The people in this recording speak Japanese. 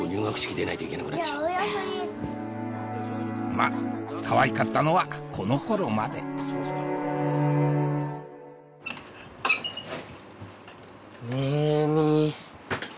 まっかわいかったのはこの頃までねみぃ。